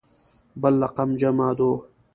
بل رقم جمعه دو.